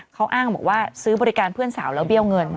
เขาอ้างบอกว่าซื้อบริการเพื่อนสาวแล้วเบี้ยวเงิน